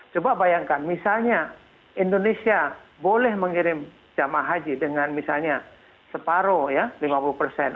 coba bayangkan misalnya indonesia boleh mengirim jamaah haji dengan misalnya separoh ya lima puluh persen